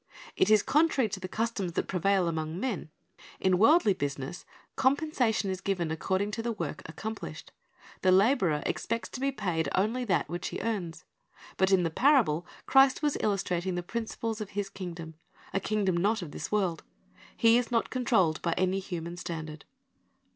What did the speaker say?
It is contrary to the customs that prevail among men. In worldly business, compensation is given according to the work accomplished. The laborer expects to be paid only that which he earns. But in the parable, Christ was illustrating the principles of His kingdom, — a kingdom not of this world. He is not controlled by any human standard.